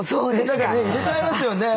何かね入れちゃいますよね。